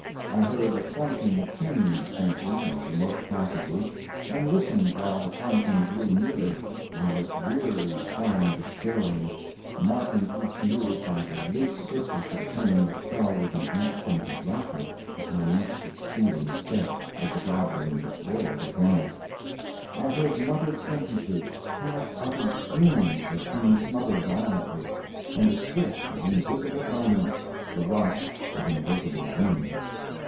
I heard the clanking of chains faintly, in remote passages, and listened while the clanking grew nearer while it wearily climbed the stairways, marking each move by the loose surplus of chain that fell with an accented rattle upon each succeeding step as the goblin that bore it advanced. I heard muttered sentences; half uttered screams that seemed smothered violently; and the swish of invisible garments, the rush of invisible wings.